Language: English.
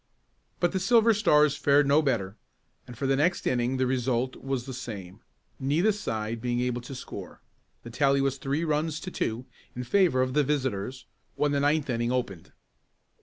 But the Silver Stars fared no better, and for the next inning the result was the same, neither side being able to score. The tally was three runs to two in favor of the visitors when the ninth inning opened.